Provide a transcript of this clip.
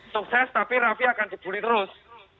sukses tapi rafi akan dibully terus